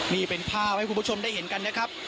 นี่เป็นภาพให้คุณผู้ชมได้เห็นกันนะครับ